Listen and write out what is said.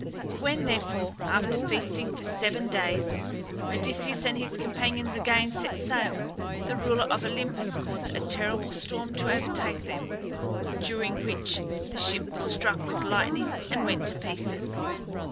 When, therefore, after feasting for seven days Odysseus and his companions again set sail, the ruler of Olympus caused a terrible storm to overtake them, during which the ship was struck with lightning and went to pieces.